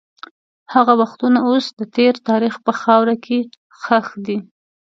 هغه وختونه اوس د تېر تاریخ په خاوره کې ښخ دي.